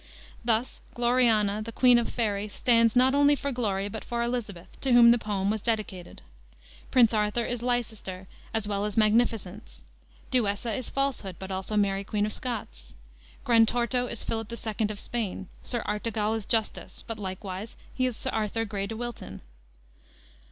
Thus Gloriana, the Queen of Faery, stands not only for Glory but for Elizabeth, to whom the poem was dedicated. Prince Arthur is Leicester, as well as Magnificence. Duessa is Falsehood, but also Mary Queen of Scots. Grantorto is Philip II. of Spain. Sir Artegal is Justice, but likewise he is Arthur Grey de Wilton.